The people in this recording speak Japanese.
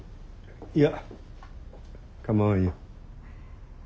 いやかまわんよ。